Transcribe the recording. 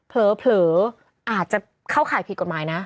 เผลออาจจะเข้าข่ายผิดกฎหมายนะ